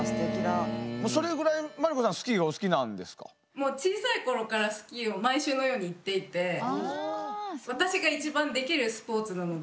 もう小さい頃からスキーを毎週のように行っていて私が一番できるスポーツなので。